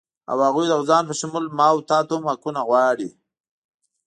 او هغوی د ځان په شمول ما و تاته هم حقونه غواړي